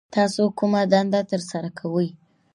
تاسو کومه دنده ترسره کوي